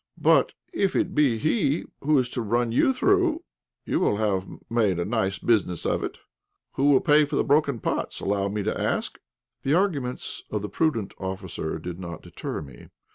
But if it be he who is to run you through, you will have made a nice business of it. Who will pay for the broken pots, allow me to ask?" The arguments of the prudent officer did not deter me.